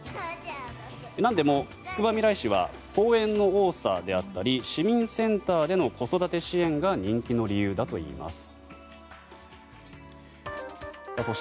何でも、つくばみらい市は公園の多さであったり市民センターでの子育て支援が人気の理由だといいます。